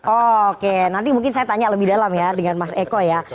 oke nanti mungkin saya tanya lebih dalam ya dengan mas eko ya